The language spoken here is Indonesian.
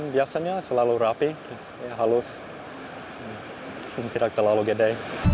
biasanya selalu rapi halus mungkin tidak terlalu gede